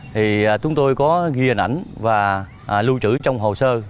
thì chúng tôi có ghi hình ảnh và lưu trữ trong hồ sơ